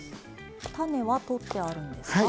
種は取ってあるんですか？